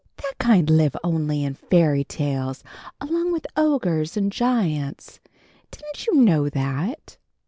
"That kind live only in fairy tales along with ogres and giants. Didn't you know that?"